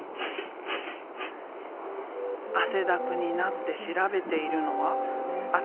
汗だくになって調べているのは新しい企業名。